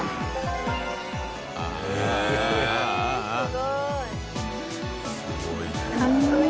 すごいね。